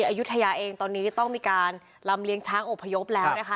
อายุทยาเองตอนนี้ต้องมีการลำเลี้ยงช้างอบพยพแล้วนะคะ